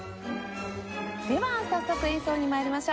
では早速演奏に参りましょう。